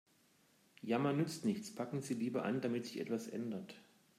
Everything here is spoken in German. Jammern nützt nichts, packen Sie lieber an, damit sich etwas ändert.